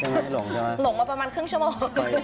หลงมาประมาณครึ่งชั่วโมง